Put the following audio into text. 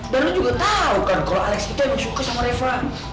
dan lu juga tahu kan kalau alex itu yang suka sama reva